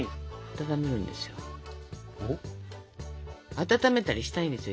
温めたりしたいんですよ